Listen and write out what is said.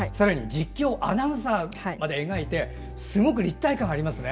実況アナウンサーまで描いてすごく立体感がありますね。